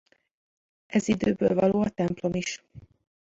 Ez időből való a templom is.